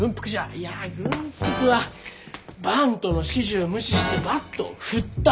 いや軍服はバントの指示ゅう無視してバットを振った。